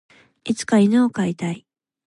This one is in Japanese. いつか犬を飼いたい。